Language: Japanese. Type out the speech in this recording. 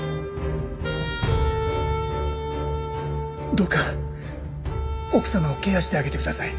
どうか奥様をケアしてあげてください。